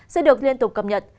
sẽ được liên tục cập nhật